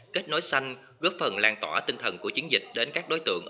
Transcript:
kết nối xanh góp phần lan tỏa tinh thần của chiến dịch đến các đối tượng